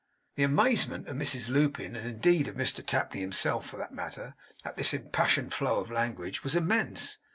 The amazement of Mrs Lupin, and indeed of Mr Tapley himself for that matter, at this impassioned flow of language, was immense.